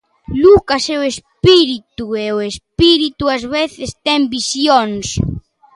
Lucas é o espírito e o espírito ás veces ten visións.